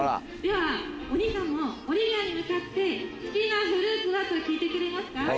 お兄さんも、オリビアに向かって好きなフルーツはと聞いてくれますか？